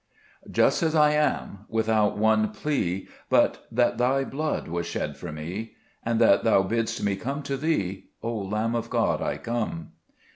JUST as I am, without one plea *J But that Thy blood was shed for me, And that Thou bidd'st me come to Thee, O Lamb of God, I come.